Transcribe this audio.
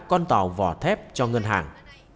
con tàu vỏ thép cho ngân hàng